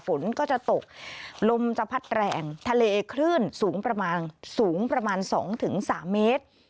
ฝนก็จะตกลมจะพัดแรงทะเลคลื่นสูงประมาณสูงประมาณ๒๓เมตร